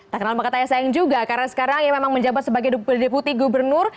tak kenal makanya saya yang juga karena sekarang dia memang menjabat sebagai deputi gubernur